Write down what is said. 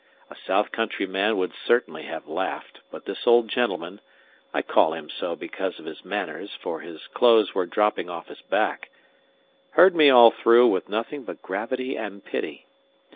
A south country man would certainly have laughed; but this old gentleman (I call him so because of his manners, for his clothes were dropping off his back) heard me all through with nothing but gravity and pity.